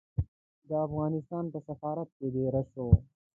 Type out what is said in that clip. د افغانستان په سفارت کې دېره شوم.